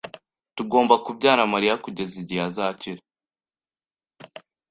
Tugomba kubyara Mariya kugeza igihe azakira.